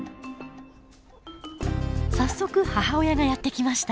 早速母親がやってきました。